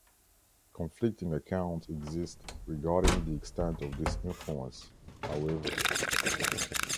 Conflicting accounts exist regarding the extent of this influence, however.